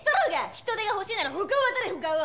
人手が欲しいなら他を当たれ他を！